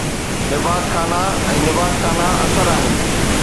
نبات خانہ ۽ نبات خانہ اثر آهن